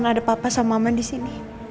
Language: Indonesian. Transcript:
cuma karena ada papa sama mama disini